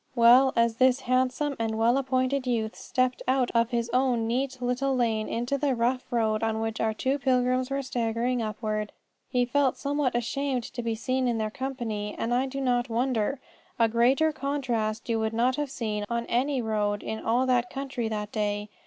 Well, as this handsome and well appointed youth stepped out of his own neat little lane into the rough road on which our two pilgrims were staggering upward, he felt somewhat ashamed to be seen in their company. And I do not wonder. For a greater contrast you would not have seen on any road in all that country that day.